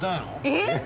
えっ？